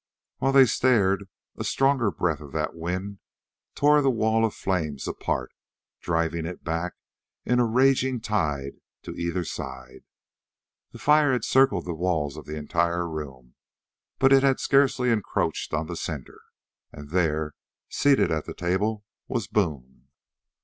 While they stared a stronger breath of that wind tore the wall of flames apart, driving it back in a raging tide to either side. The fire had circled the walls of the entire room, but it had scarcely encroached on the center, and there, seated at the table, was Boone.